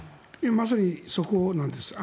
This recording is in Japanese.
まさにそこなんです。